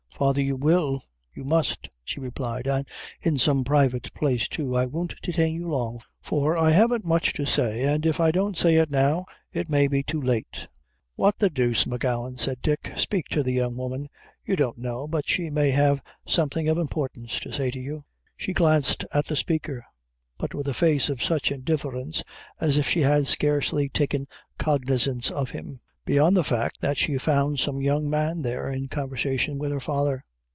"Father, you will you must," she replied "and in some private place too. I won't detain you long, for I haven't much to say, and if I don't say it now, it may be too late." "What the deuce, M'Gowan!" said Dick, "speak, to the young woman you don't know but she may have something of importance to say to you." She glanced at the speaker, but with a face of such indifference, as if she had scarcely taken cognizance of him, beyond the fact that she found some young man there in conversation with her father.